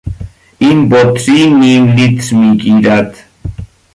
این بطری نیم لیتر میگیرد.